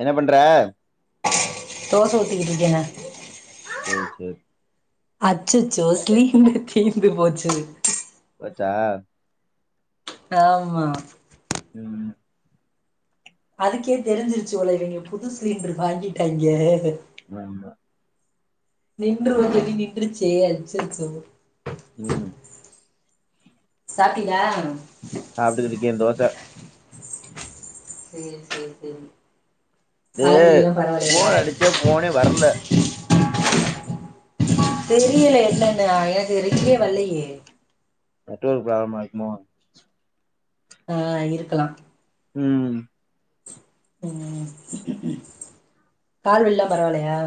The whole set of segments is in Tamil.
என்ன பண்ற தோசை ஊத்திக்கிட்டு இருக்கேனே சேரி சேரி அ அச்சச்சோ சிலிண்டர் தீந்து போச்சு சா ஆமா உம் அதுக்கே தெரிஞ்சிருச்சு ஒல இவுங்க புது சிலிண்ரு வாங்கிட்டாங்க ஆஹ [unintelligible] சிலிண்ரு வேற நின்றுருச்சே அச்சச்சோ உம் சாப்டீங்ளா சாப்டுகிட்டு இருக்கே தோச சேரி- சேரி -சேரிங்க ஏ போன் அடிச்சே போனே வரல்ல தெரியல என்னனு ஆ எனக்கு ரிப்ளே வல்லயே பெட்ரோல் காலி ஆயிருக்மோ ஆ இருக்கலா உம் உம் பாலில்ல பரவால்லயா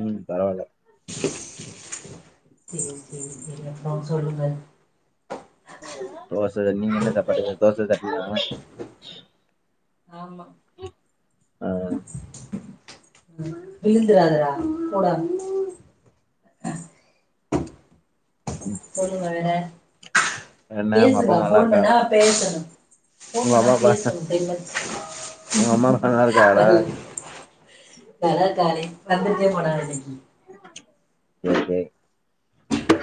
உம் பரவால்ல சேரி -சேரி சேரி அப்பறோ சொல்லுங்க தோச சட்னி நீங்க என்ன சாப்டீங்க தோச சட்னி தானா ஆமா விழுந்துராதரா போடா ம். சொல்லுங்க வேற என்ன உங்க அப்பா பேசுங்க அம்மா நல்லா ஃபோன் பண்ணா இருக்காகளா பேசணு ஃபோன் உங்க பண்ணா அம்மா அப்பா பேசணு தெர்மா உங்க அம்மா அப்பா நல்லா இருக்காகளா [unintelligible] காரே வந்துட்டே போனா இன்னைக்கு செரி செரி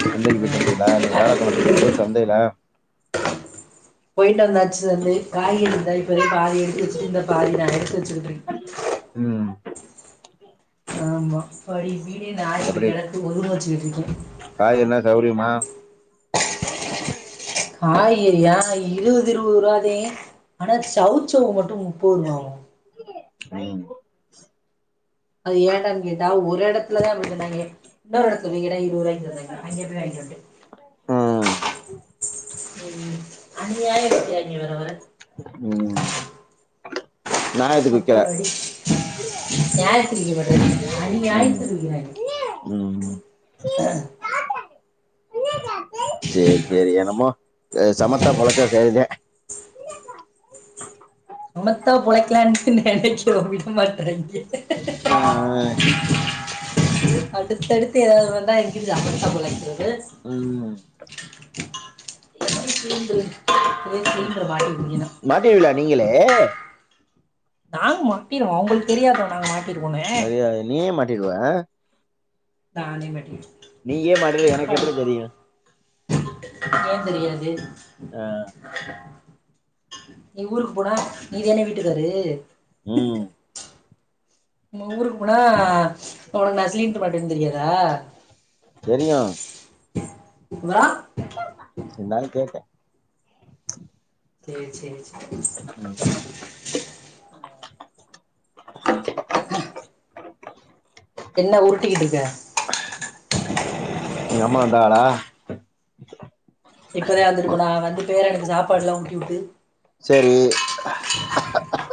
சந்தைக்கு போயிட்டுந்தியலா இன்னிக்கி வேலக்கெலம ஊர் சந்தைல [unintelligible] போயிட்டு வந்தாச்சு வந்து காய் இருந்தா இப்பவே பாதி எடுத்து வச்சுட்டு இந்த பாதி நா எடுத்து வச்சுட்டுருக்கே ம் ஆமா ப்பாடி வீடே நாரிப்போய் எப்டி கெடக்கு ஒதுங்க வச்சுக்கிட்டு இருக்கே மா காய்கரியா இருவது இர்வதுரூவா தே ஆனா சவ்சவ் மட்டு முப்ப ரூவாவா உ அது ஏன்டான் கேட்டா ஒரு எடத்துலதா அப்டினு சொன்னாங்க இன்னொரு எடத்துல போய் கேட்டா இருவதுரூபாய்க்கு தந்தாங்க அங்கே போய் வாங்கிட்டு ம் வன்ட்டே உ அனியாய விற்கிறாங்க வர வர உ அப்பாடி ஞாயத்தி [unintelligible] ம் அன்யாய்துக்கு விக்குராங்க ம் சேரி சேரி என்னமோ சமத்தா பொழச்சா சரிதே சமத்தா பொழைக்கலான்டு நெனைக்குரோமே மாட்றாங்க ஆ அடுத்தடுத்து ஏதாவது வந்தா எங்க சமத்தா பொழைக்குரது ம் சிலிண்டரு அப்டியே சிலிண்டர மாட்ர வேன்டியதா ஏ நாங்க மாட்டிருவோ அவங்களுக்கு தெரியாதா நாங்க மாட் சரியாது நீ மாட் டீடுவ தானே மட்டி நீ ஏன் மாட்ற எனக்கு எப்டி தெரியு ஏ தெரியாது ஆ நீ ஊருக்கு போனா நீ வேன வீட்டுக்காரு உ நம்ம ஊருக்கு போனா உனக்கு நா சிலின்ட்டர் மாட்டுவேனு தெரியாதா தெரியு ஆ இருந்தாலு கேட்டே சேரி சேரி சேரி ம் அ என்ன உருட்டிக்கிட்டுருக்க எங்க அம்மா வந்தாகளா இப்பதா வந்துட்டுப்போனா நா வந்து பேரனுக்கு சாப்பாடுல்லா ஊட்டிவுட்டு சேரி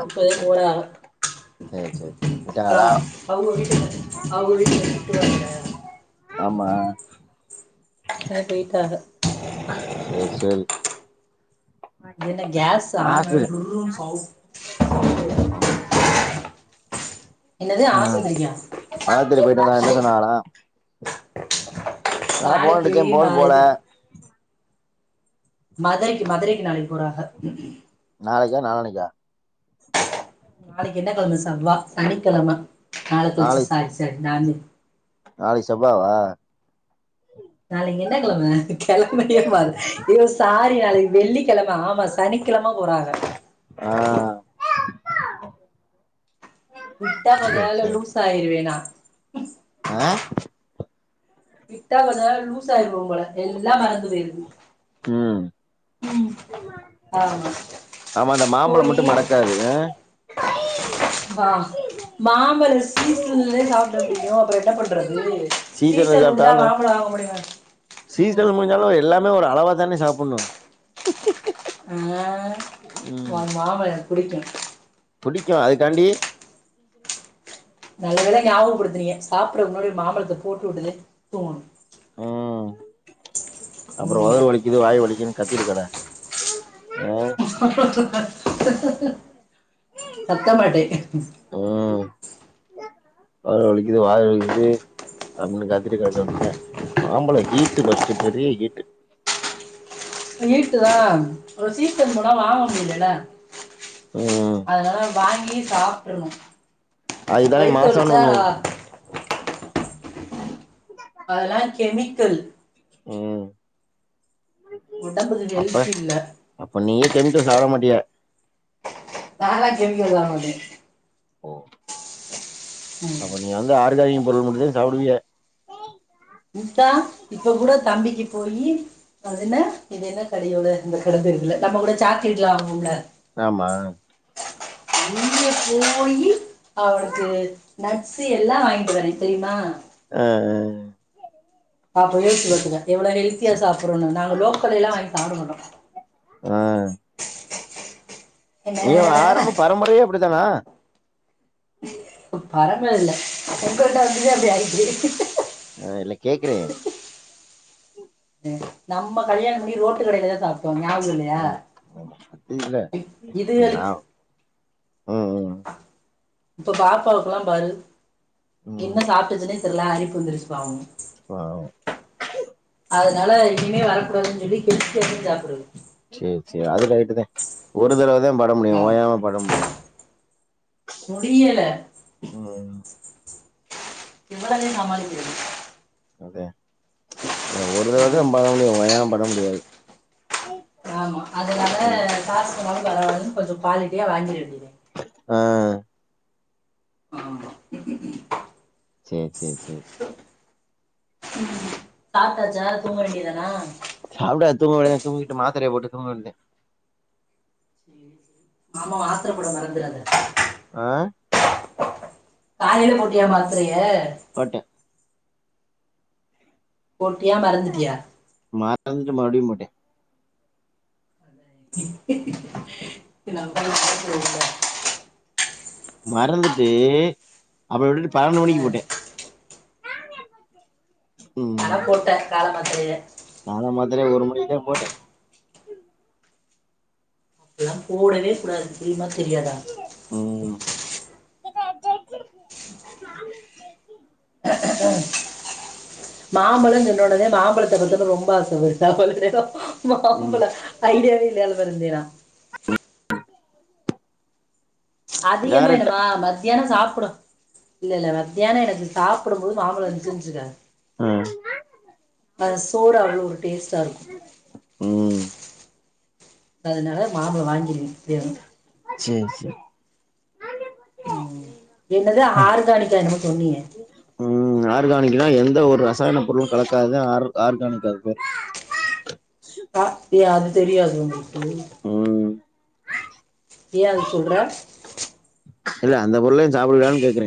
இப்பதைக்கு கூடா சேரி சேரி இப்பறோ விட்டாகளா அவங்க வீட் ஆவுக வீட்ல திட்டுவாங்க ஆமா ஆ போய்டாக சே சேரி என்ன கேஸ் ஆன் ஆஸ்பத்திரி டூருருனு சௌ அ. ஆஸ்பித்திரி போய்டுப்ந்தே ந்த சொன்னாகளா நா போன் நாளைக்கு அடிச்சே ம ஃபோன் போல இது மதரைக்கு மதிரைக்கு க நாளைக்கு போறாக ப் நாளைக்கா நாளானைக்கா நாளைக்கு என்ன கிழம சவ்வா சனிக்கிழம நாள கெலச்சி நாளைக்கு சாரி சாரி நானு நாளைக்கு செவ்வாவா நாளைகி என்ன கெழம கெழமயே வ யே சாரி நாளைகு வெள்ளிக்கிழம ஆமா சனிக்கிழம போறாங்க ஏ அப்பா விட்டா கொஞ்ச நால லூஸ் ஆயிருவேனா ம்ம் ஆ விட்டா கொஞ்ச நாள லூஸ் அய்ருவ போம்பல எல்லா மறந்து பெய்ருது ம் ம் ஆமா அந்த போயி மாம்பழமட்டு மறக்காது மாபழ சீஸ்லே சாபுட பிடிக்கு அப்புறோ எட்ட பண்றது து சீசன்ல ஸ்சிசன் முடிச த சாப்ட்டாலு மாம்பல வாங்க முடியு ம் துமே ஒரு அளவா தானே சாப்புணு அ ம் வா மாம்பழ புடிக்கு புடிக்கு அதுகாண்டி நல்ல வேல ஞாபகோ படுத்துனீங்க சாப்புறதுக்கு முன்னாடி ஒரு மாம்பழத்த போட்டு உட்டுதே தூங்குணு அப்புறோ ம் வயுறு வலிக்குது வாய் வலிக்குதுன் கத்திட்டு கட ம்ம் ஹ ஹ ஹ ஹ ஹ கத்தமாட்டேக்குது ம் வயிறு வலிக்குது வாய் வலிக்குது அப்டின் கத்திட்டு கடக்க வேண்டியதா மாம்பழோ ஹீட்டு ஃபஸ்ட்டு பெரிய ஹீட்டு ஹீட்டுதா ஒரு சீசன் போனா வாங்க முடியிலல்ல ம் அதனால வாங்கி சாப்றனு வயித்த வலிச்சா டடக் அதெல்லா கெமிக்கல் ம் உடம்புக்கு அப்ப எல்த் இல்ல அப்ப நீ தெருஞ்சா சாப்ட மாட்டியா நாலா கெமிக்கல் சாப்ட மாட்ட ஓ ம் அப்ப நீ வந்து ஆர்கானிக்கு முள் மட்டுந்தா சாப்புடுவிய இதா இப்ப கூட தம்பிக்கி போயி அது என்ன இது என்ன கடையோட இந்த கட பேரு தெரியில நம்ம கூட சாக்லேட்லா வாங்குவோம்ல ஆமா இங்க போயி அவனுக்கு நட்ஸு எல்லா வாங்கிட்டு வற தெரியுமா அ அ பாப் போயிட்டு இருக்குற எவ்ளோ ஹெல்த்தியா சேரி சாப்புறோனு நாங்க லோக்கலயெல்லா வாங்கி சாப்ட மாட்டோ அ நீ என்ன ஆரம்ப பரம்பரையே அப்டித்தானா [inaudible] பரம்பர இல்ல உங்களோட இது அப்டி ஆயிட்ருக்கு அ இல்ல கேக்குறே நம்ம கல்யாணம் பண்ணி ரோட்டு கடையிலதா சாப் ம் அதா அது இல்ல அது நா இதுகளுக்கு ம் ம் இப்ப பாப்பாவுக்கெல்லாம் பாரு ம் என்ன சாப்டுச்சுன்னே த்துல்லா அரிப்பு வந்துருச்சு பாவோங் வாவ் அதுனால இனிமே வரக்கூடாதுன் சொல்லி [unintelligible] சாப்புர்றது சேர் சே அதுகரட்டுதே ஒரு தடவ தா பட முடியு ஆ ஓயாம பட முடியாது முடியல ம் ம் எவ்வளதே‌ சமாளிக்கிறது அதே தா ஒரு தடவதா பட முடியு ஓயாம பட மு டியாது ஆமா அதுனால காசுக்குன்னாலு பரவால்லன் கொஞ்சொ குவாலிட்டியா வாங்கிர வேண்டிதே ஆ ஆமா சேர் சேர் சேர் சாப்ட்டாச்சா தூங்க வேண்டியதானா சாப்டா தூங்கவேண்டிதான தூங்கிட்டு மாத்ரய போட்டு தூங்க வேண்டிதெ சேர்‌ சே மாமா மாத்ர போட மறந்துறாத ஆ காலைல போட்டியா மாத்ரய போட்டே போட்டியா மறந்துட்டியா மறந்துட்டு மறுபுடியு போட்டே [inaudible] மறந்துட்டு அப்ற [unintelligible] பன்னெண்டு மணிக்கு ஆ போட்டே ம் ஆனா போட்ட கால மாத்திரய இல்லங்க ஒரு மணிக்குதே போட்டே இப்பில்லா போடவே கூடாது தெரியுமா தெரியாதா [unintelligible] மாம்பழன் சொன்னோனதே மாம்பழத்த பாத்தோன ரொம்ப ஆச வருது [unintelligible] ம் மாம்பழ ஐடியாவே இல்லயானு [unintelligible] அதிகமா டேரக்டா என்னமா மத்தியான சாப் புட இல்லெல்ல மத்தியான எனக்கு சாப் புடும்போது மாம்பழ இருன்ச்சுன் ஆ வச்சுக்க சோறு அவ்ளோ ஒரு டேஸ்டா இருக்கு ம் அதுனாலதா மாம்பழ வாங்கிருவே எப்டியாலு சேரி சேரி ம் என்னது ஆர்கானிக்கா என்னமோ சொன்னீங்க ம் ஆர்கானிக்குனா எந்த ஒரு ரசாயன பொருளு கலக்காது ஆர் ஆர்கானிக் அது பேரு அ அது தெரியாது [unintelligible] ம் ஏ அது சொல்ற இல்ல அந்த பொருளையு சாப்புடலான் கேக்குற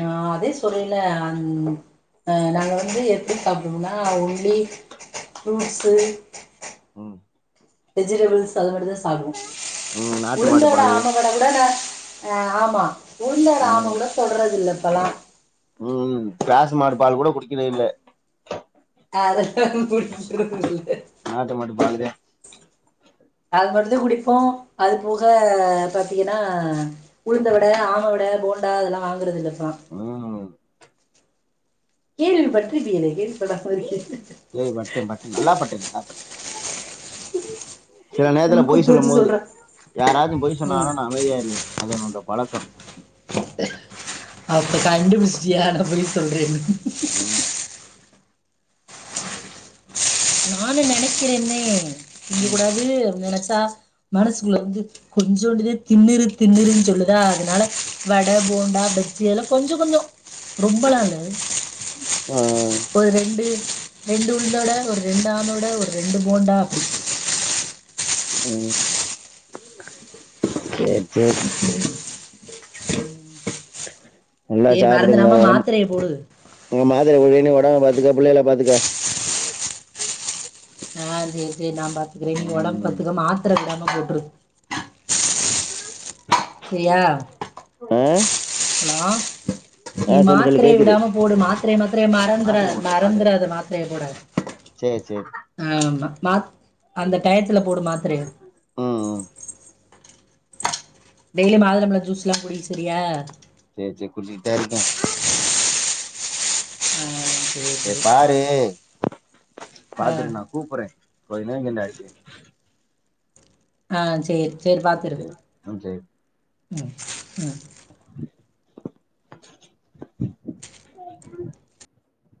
ஆ அதே சொல்ல அந் அ நாங்க வந்து எத்து சாப்புடுவோன்னா ஒன்லி ஃப்ரூட்ஸு ம் வெஜிடபிள்ஸ் அது மாரிதா சாப்டுவோ ம் நாட்டு உளுந்த மாட்டு வட பாலு ஆம வட கூட நா ஆ ஆமா உளுந்த வட ஆம வட ம் கூட தொர்றது இல்ல இப்பல்லா ராசு மாடு பால் கூட குடிக்குறது இல்ல [unintelligible] நாட்டு மாட்டு பால்லுதே அது மாரிதா குடிப்போ அது போக பாத்தீங்கன்னா உளுந்த வட ஆம வட போண்டா அதெல்லா வாங்குறது இல்ல ஆமா ம் கேள்வி பட்டுருப்பியிலே கேள்வி [unintelligible] கேள்வி பட்டன் பட்டன் நல்லா பட்டன் நல்லா பட்டன் சில நேரத்துல பொய் உள்குத்து சொல்லும் வச்சு போது சொல்ற யாராது பொய் ம் சொன்னாங்கனா அமைதியா இருங்க அது என்னோட பழக்கோ அப்ப கண்டுபுடிச்சிட்டியா அதனால‌ பொய் சொல்றயான் ம் நானு நெனைக்கிறேன்னே இங்க ம் கூடாது நெனச் தா மனசுக்குள்ள வந்து கொஞ்சூண்டுதே தின்னுறுன் தின்னுறுன் சொல்லுதா அதனால வட போண்டா பஜ்ஜி எல்லா கொஞ்சோ கொஞ்சோ ரொம்ப எல்லா இல்ல ஆ ஒரு ரெண்டு ரெண்டு உளுந்த வட ஒரு ரெண்டு ஆனோட ஒரு ரெண்டு போண்டா அப்புடி ம் சேரி சேரி நல்லா சரி சாப்புடுங்க மறந்துடாம ஒடம்ப் மாத்திரையை போடு உங்க மாத்தரைய போட்டுனு ஒட ம்ப பாத்துக்க பிள்ளைகள பாத்துக்க ஆ சேரி சேரி நா பாத் துக்கிறே நீ ஒடம்பு ம் பாத்துக்க மாத்தர விடாம போட்ரு உ ஆ ஹலோ நீ ஆ சொல்லு சொல்லு மாத்தரைய கேக்குது விடாம போடு மாத்தரைய மாத்தர மறந்துற மாத்திரைய போட்ருவே மாத்திரைய மறந்துறாத போட்ருவே மாத்தரைய போட சேரி சேரி ஆமா மாத் அந்த டயத்துல போடு மாத்தரைய ம் ம் டெய்லி மாதுளாம்பழ ஜூஸ் எல்லா குடி செரியா? சேரி சேரி குடிச்சிட்டுதா இருக்கே சேரி பாரு ஆ பாத்துட்டு நா கூப்பட்றே கொஞ்ச நேரோங் கழிச்சு ஆ சேரி சேரி பாத்துரு செரி ம் சேரி ம் ம்